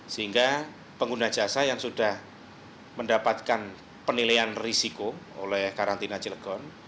sehingga pengguna jasa yang sudah mendapatkan penilaian risiko oleh karantina cilegon